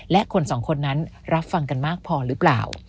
และคนสองคนนั้นรับฟังกันมากพอหรือเปล่า